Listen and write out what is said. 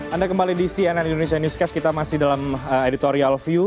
anda kembali di cnn indonesia newscast kita masih dalam editorial view